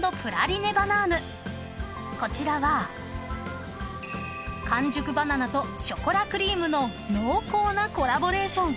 ［こちらは完熟バナナとショコラクリームの濃厚なコラボレーション］